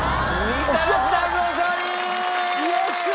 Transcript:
みたらし団子の勝利！